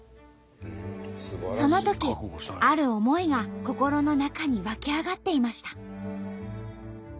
そのときある思いが心の中に湧き上がっていました。